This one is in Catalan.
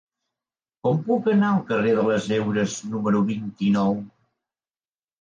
Com puc anar al parc de les Heures número vint-i-nou?